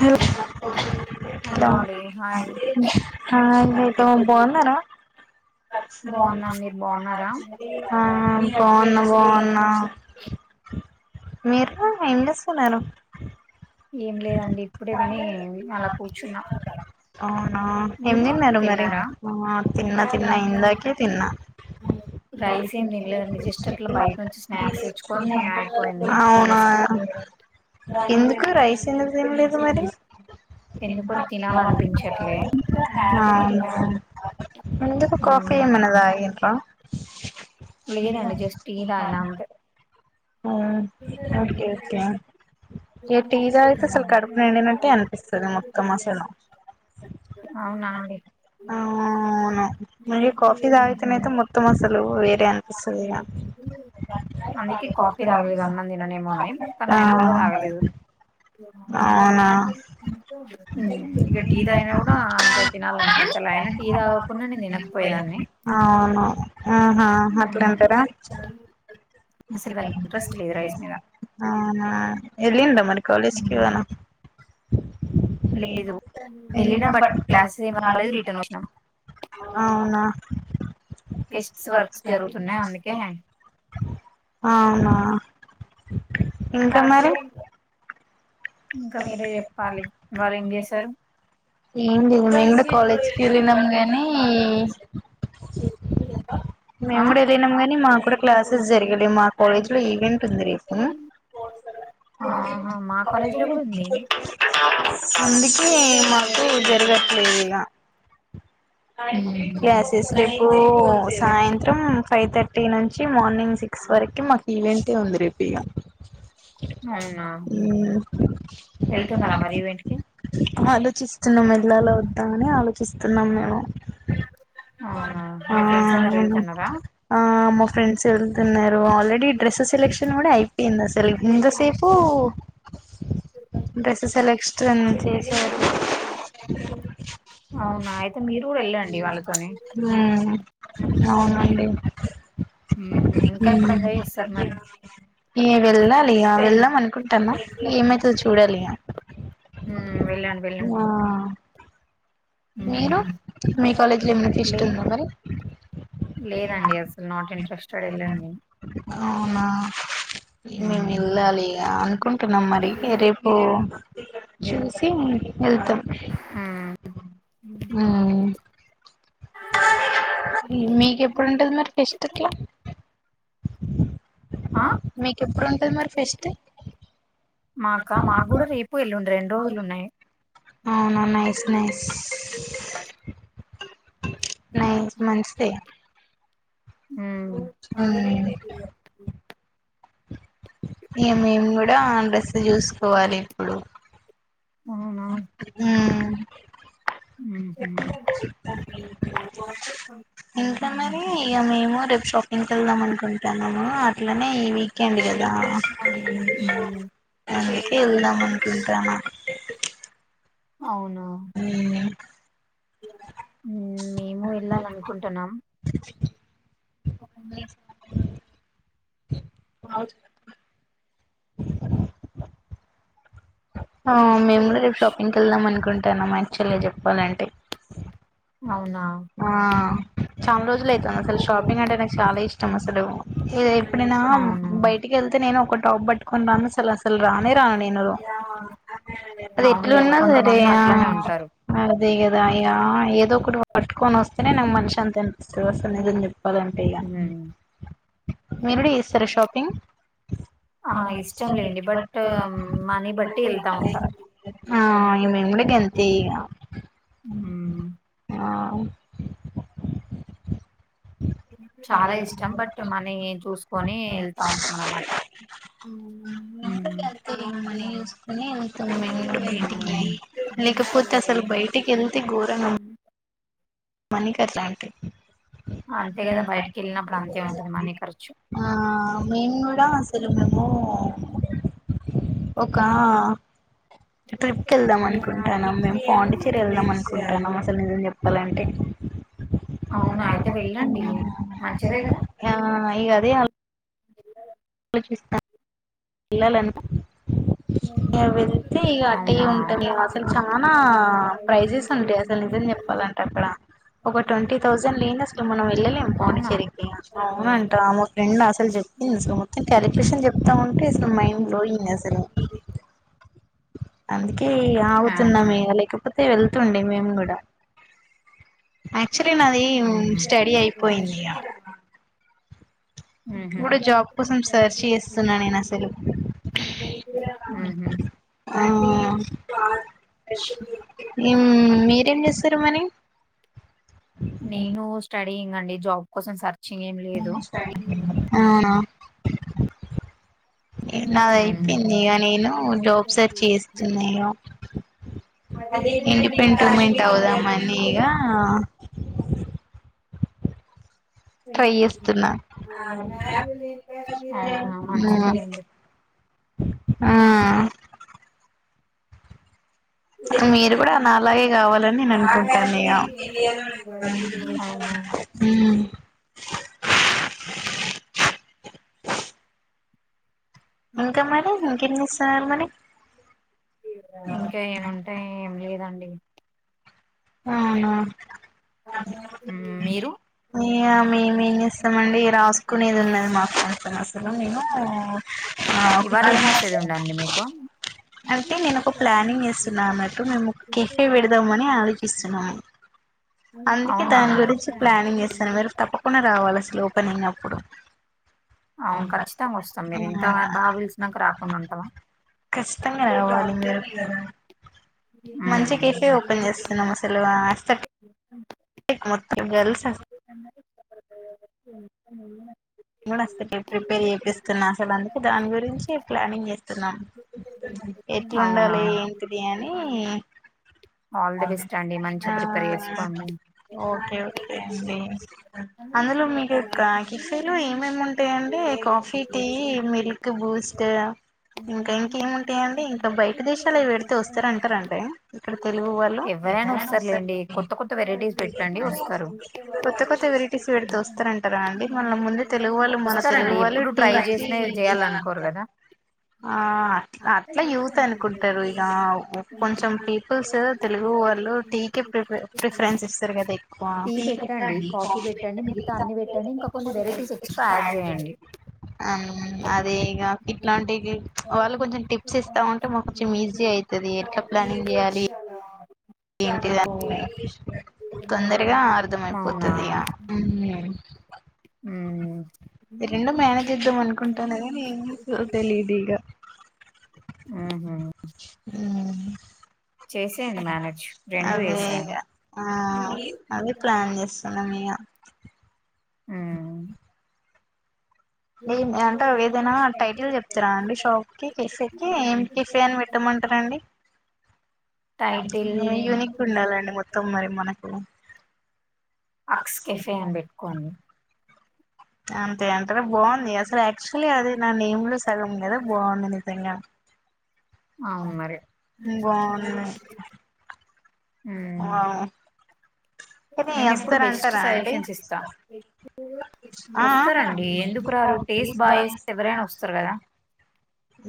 Hello hello ఇం hi తో బావున్నారా ఆ బావున్నా బావున్నా మీరు ఏం చేస్తున్నారు. ఏం లేదండి. అట్టే దిని అలా కూర్చున్నా ఏం తిన్నారు మరి ఆ తిన్నా తిన్నా ఇందాకే తిన్నా అవునా ఎందుకు రైస్ ఏమ్ తినలేదు ఎందుకు మరీ ఎందుకో తినాలనిపించట్లే ఎందుకు కాఫీ ఏమన్నా తాగిల్లా లేదండి జస్ట్ టీ తాగిన అంతే అవును ఓకే ఓకే ఏ టీ తాగితే అసలు కడుపు నిండినట్టే అనిపిస్తది అక్క అసలు. అవును మరి కాఫీ తాగితేనైయితే మొత్తం అసలు వేరే అనిపిస్తది. ఇగా ఆ అవునా అవును ఆహా అట్లాంటారా ఇంట్రెస్ట్ లేదు రైస్ మీద ఏళ్ళిందా మరి కాలేజ్ కి ఇవ్వాళ అవునా ఆవునా సార్జరీ కూడా ఇంకా మీరే చెప్పాలి వారు ఏం చేస్తారు. మేము కూడా వెళ్ళినాం గానీ మాకు కూడా క్లాసెస్ జరగలే. మా కాలేజ్ లో ఈవెంట్ ఉంది. రేపు [unintelligible] క్లాసెస్ రేపు సాయంత్రం ఫైవ్ థర్టీ నుంచి మార్నింగ్ సిక్స్ వరకు మాకు ఈవెంటే ఉంది. రేపు ఇగా స వెళ్తున్నారా మరియు ఈవెంట్ కి అవునా మీ ఫ్రెండ్స్ అందరూ వెళ్తున్నారా డ్రెస్సెస్ సెలక్షన్ చేసారు హ్మ్ అవునండి. ఇంకా ఎప్పుడు ఎంజాయ్ చేస్తారు. మరి చూడలి ఇగా మీరు మీ కాలేజీలో ఏమైనా ఫెస్ట్ ఉందా మరి లేదండి అసలు నాట్ ఇంట్రెస్టెడ్ వెళ్ళండి మేము వెళ్ళాలి ఇగ అనుకుంటున్నాం మరి రేపు చూసి ఉ వెళ్తాం ఆ మీకెప్పుడుంటది మరి ఫెస్ట్ కి మీకు ఎప్పుడు ఉంటది మరి ఫెస్ట్ అవునా నైస్ నైస్ నైస్ మంచిదే ఉ ఏమేమి కూడా ఆ డ్రస్ చూసుకోవాలి ఆ ఇంకా మరి ఇక మేము రేపు షాపింగ్ కి వెళ్దాం అనుకుంటాన్నాము. అట్లనే ఈ వీకెండ్ కదా అందుకు వెళ్దాం అనుకుంటాము. అ అవును అవున్గా వెళ్ళాల అనుకుంటున్నాం ఔన్ అవుట్ ఆ మేము కూడా రేపు షాపింగ్ కి వెళ్దాం అనుకుంటానమ్మా యాక్చువల్ అలాంటే అవునా ఆ చాలా రోజులు అయితాంది. అసలు షాపింగ్ అంటే నాకు చాలా ఇష్టం. అసలు ఎప్పుడైనా బయటికి వెళ్తే నేను ఒక టాప్ పట్టుకుంటాను. అసలు అసలు రానే రాను నేను. అది ఎట్లు ఉన్నా సరే య అదే కదా అయ్యా ఏదో ఒకటి పట్టుకొని వస్తేనే నా మనిష అంతి అన్ విసుగు వస్తుంది నిజం చెప్పాలంటే ఇగ మీరు గుడ చేస్తార షాపింగ్ ఆ ఇష్టం లేండి బట్ మనీ బట్టి వెల్తా ఆ మేమూ కూడ గంతే ఇగ హ్మ్ ఉ ఆ అవును చాలా ఇష్టం బట్ మనీ చూసుకొని వెళ్తా ఉంటాం అన్నమాట అని ఎల్తుండే నేన్ కూడా [unintelligible] లేకపోతే అసలు బయటికి ఎల్తే ఘోరంగా మణి కట్లాంటి ఆ మేం గుడా అసలు మేము ఒక ట్రిప్కి వెళ్దాం అనుకుంటానం మేము పాండిచేరి వెళ్దాం అనుకుంటానం అసలు నిజం చెప్ అలాంటి [unintelligible] ఇగ మన మయి అదే తెపిస్త పిల్లలను ఇ వెళ్తే ఇగ అట్టే ఉంటది అసలు చానా ప్రైజెస్ ఉంటాయ్ అసలు నిజం చెప్పాలంట అక్కడ ఒక ట్వంటీ థౌసండ్ లేంది అసలు మనం వెళ్ళలేము పాడిచ్చేరికి అస అవునంట మా ఫ్రెండ్ అసలు చెప్పింది సొ క్యాలిక్యులేషన్ చెప్తా అంటే అసలు మైండ్ బ్లోయింగ్ అసలు [unintelligible] అందుకే ఇగ ఆగుతున్నామిగ లేకపోతే వెళ్తుండే మేము కూడా యాక్చువల్లీ నాది స్టడీ అయిపోయింది ఇగ ఉహు ఉహు నేను స్ట ఇంగ్ అండి జాబ్ కోసం సర్ అవున నాది ఐపియింది ఇగ నేను జాబ్ సర్చ్ చేస్తున్నా ఇగ ఇండిపెంట్ విమెంట్ అవుదామని ఇగ ట్రై చేస్తున్నా హ్మ్ ఆ ఇగ మీరు కూడా నాలాగే కావాలని నేను అనుకుంటను ఇగ ఊ [unintelligible] ఇంకా మరి ఇంక ఎన్నిసమని ఇంకా ఏముంటాయి ఏం లేదం డి అవునా ఇగ మేమేం చేస్తామండి రాసుకునేది ఉన్నది మాకు [unintelligible] అంటే నేను ఒక ప్లానింగ్ ఏస్తున్న అన్నట్టు మేము కేఫె పెడదామని ఆలోచి ఇస్తున్నాము అందుకే దాని గురించి ప్లానింగ్ చేస్తాను మీరు తప్పకుండా రావాలసలు ఓపెనింగ్ అప్పుడు ఖచ్చితంగా రావాలి మీరు మంచి కేఫే ఓపెన్ చేస్ మనమసలు ఆ హాస్టప్ మొత్తం గర్ల్స్ అస్ మన వస్త ట [unintelligible] ప్రిపేర్ చేపిస్తున్నా అసలు అందుకే దాని గురించి ప్లానింగ్ చేస్తున్నాం ఎట్లా ఉండాలి ఏంటిది అని ఓకే ఓకే అండి అందులో మీకు నువ్ ఏమేమి కాఫీ టీ మిల్క్ బూస్ట్ ఇంకా ఇంకేముంటాయండి ఇంకా బయట దేశాలు పెడితే వస్తారంటారండి ఇక్కడ తెలుగు వాళ్ళు కొత్త కొత్త వెరైటీస్ పెడితే వస్తారంటారా అండి మ తెలుగు వాళ్ళు తెలుగు వాళ్ళు టీ ఆ అట్ అట్లా యూత్ అనుకుంటారు ఇక కొంచెం పీపుల్స్ తెలుగు వాళ్ళు టీకే ప్రి ప్రిఫరెన్స్ ఇస్తారు కదా ఎక్కువ కొన్ని వెరటీస్ వచ్చ్ అ అదే ఇక ఇట్లాంటి వాళ్ళు కొంచెం టిప్స్ ఇస్తా ఉంటే మాకు కొంచెం ఈజీ అయితది ఎట్లా ప్లానింగ్ చేయాలి అ ఏంటిని తొందరగా అర్థం అయిపోతుంది ఇక రెండు మేనదిద్ద అనుకుంటానని నేను తెలిదు ఇగ ఉ అదే ఇక ఆ అదే ప్లాన్ చేస్తా సలమయా [inaudible] ఆ ఏమి అంటే ఏదైనా టైటిల్ చెప్తారా అండి షాప్ కి కిఫేకి ఏం కిఫే అని పెట్టమంటరండి యూనిక్ ఉండాలండి మొత్తం మరి మనకి [inaudible] అక్స్ కెఫే అని పెెట్టుకోండి అంతే అంటారు బాగుంది అసలు యాక్చువలీ అది నా నేమ్ లో సగం కదా బాగుంది నిజంగా బాగుంది ఆ కానీ వస్తారంటారా అండి వస్తారండి ఎందుకు రారు టేస్ట్ బాజేస్తే ఎవరైనా వస్తారు కదా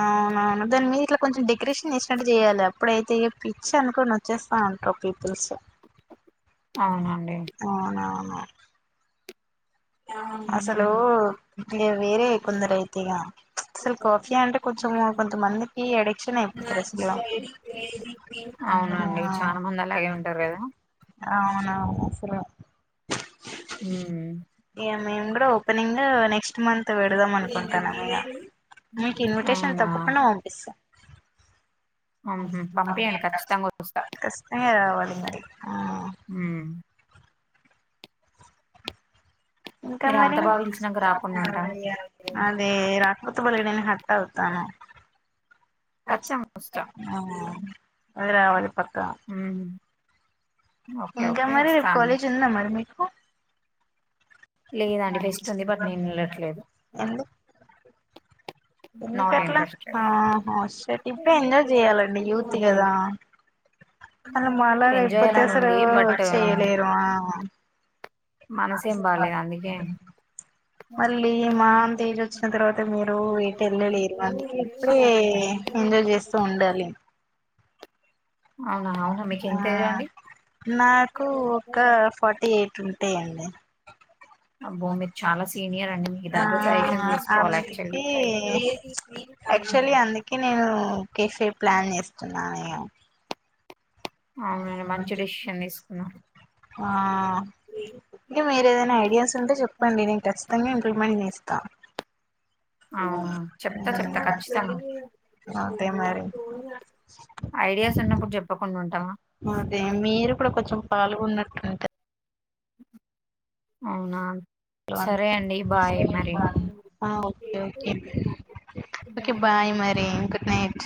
అవునవును దాని మీద ఇట్లా కొంచెం డెకరేషన్ చేసినట్టు చెయ్యాలి అప్పుడ అయితే పిచ్చి అనుకోని వచ్చేస్తా ఉంటారు పీపుల్ యస్ అవునా అసలు ఇ వేరే కొందరు రైతే ఇక అసలు కాఫి అంటే కొంచెం కొంతమందికి ఎడిక్షన్ అయిపోతారు అసలు అవునవును ప్రా హ ఇక మేము కూడా ఓపెనింగ్ నెక్స్ట్ మంత్ పెడదాం అనుకుంటాను ఇ మీకు ఇన్విటేషన్ తప్పకుండా పంపిస్తాం కచ్చితంగా రావాలి మరి ఇంకా మరి అదే రాకపొతే ప [inaudible] లగ నేను హట్ అవుతాను అది రావాలి పక్క ఇంకా మరి కాలేజ్ ఉందా మరి మీకు ఎందుకు ఎందుకట్లా ఆహ సిట్ ఇప్పుడే ఎంజాయ్ చెయాలండి యూత్ కదా కాని మాళగా ఐపోతే అసలు వర్క్ చేయలేరు మా మనసేం బాలేదు అందుకే మళ్ళీ మా అంత యేజ్ వచ్చిన తర్వాత మీరు ఎటు వెళ్ళలేరు అందుకే ఇప్పుడే ఎంజాయ్ చేస్తూ ఉండాలి నాకు ఒక ఫార్టీ ఎయిట్ ఉంటాయండి అందుకే యాక్చువలీ అందుకే నేను కే [inaudible] ఫఐ ప్లాన్ చేస్తున్నాను అవును మంచి డెసిషన్ తీసుకున్నారు ఆ ఇంకా మీరు ఏదైనా ఐడియాస్ ఉంటే చెప్పండి నేను ఖచ్చితంగా ఇంప్లిమెంట్ చేస్తా అవునా చెప్తా చెప్తా ఖచ్చితంగా తే మరి ఐడియాస్ ఉన్నప్పుడు చెప్పకుండా ఉంటామా పాల్గొన్నట్టు అయితే అవునా అవ్ ఓకే బాయ్ మరి గుడ్ నైట్